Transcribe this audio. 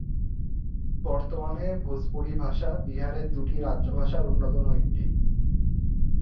বর্তমানে ভোজপুরি ভাষা বিহারের দুটি রাজ্য ভাষার অন্যতম একটি।